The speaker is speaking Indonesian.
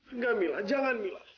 enggak mila jangan mila